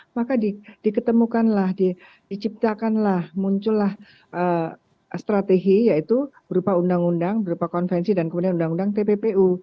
maka diketemukanlah diciptakanlah muncullah strategi yaitu berupa undang undang berupa konvensi dan kemudian undang undang tppu